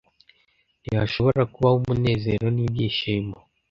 ntihashobora kubaho umunezero n'ibyishimo.